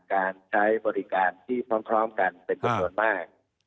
การใช้บริการที่พร้อมกันเป็นจำนวนมาก